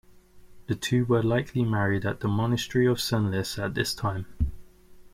The two were likely married at the monastery of Senlis at this time.